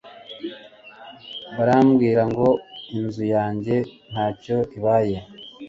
barambwira ngo inzu yajye ntacyo ibaye